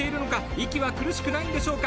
息は苦しくないんでしょうか。